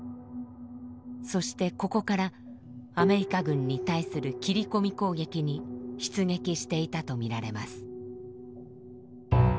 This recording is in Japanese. そしてここからアメリカ軍に対する斬り込み攻撃に出撃していたとみられます。